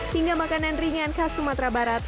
hingga makanan ringan khas sumatera barat